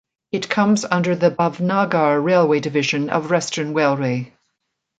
It comes under the Bhavnagar railway division of Western Railway.